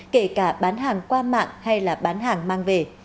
kể cả bán hàng qua mạng hay là bán hàng mang về